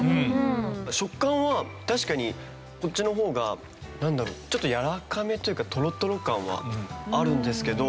食感は確かにこっちの方がなんだろうちょっとやわらかめというかトロトロ感はあるんですけど。